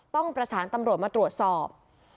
ต้องประสานตำรวจมาตรวจสอบ